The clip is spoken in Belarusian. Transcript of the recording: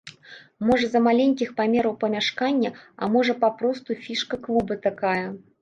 Можа з-за маленькіх памераў памяшкання, а можа папросту фішка клуба такая.